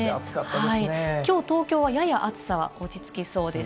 東京はやや暑さは落ち着きそうです。